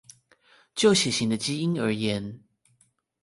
就血型的基因而言